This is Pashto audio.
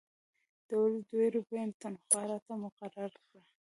د ورځې دوې روپۍ تنخوا راته مقرره کړه.